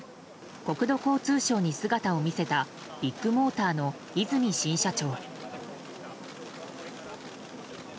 国土交通省に姿を見せたビッグモーターの和泉新社長。